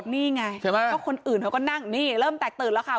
นี่ไงใช่ไหมก็คนอื่นเขาก็นั่งนี่เริ่มแตกตื่นแล้วค่ะ